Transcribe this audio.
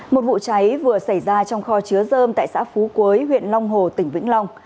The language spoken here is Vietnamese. một vụ cháy vừa xảy ra trong kho chứa dơm tại xã phú quế huyện long hồ tỉnh vĩnh long